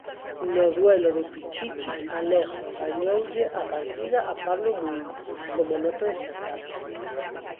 No duelo de pichichis, Alejo ganoulle a partida a Pablo Muíño, como nota destacada.